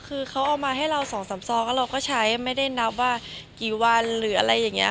คือเขาเอามาให้เราสองสามซองแล้วเราก็ใช้ไม่ได้นับว่ากี่วันหรืออะไรอย่างนี้